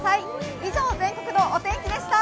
以上、全国のお天気でした。